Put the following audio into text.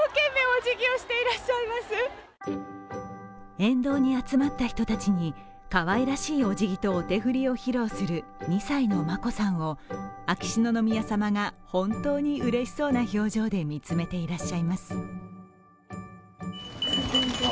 沿道に集まった人たちにかわいらしいお手振りとおじぎを披露する眞子さまを秋篠宮さまが本当にうれしそうな表情で見つめています。